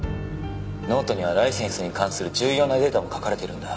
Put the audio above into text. ノートにはライセンスに関する重要なデータも書かれてるんだ。